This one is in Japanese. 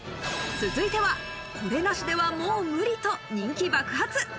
続いては、これなしではもう無理！と、人気爆発。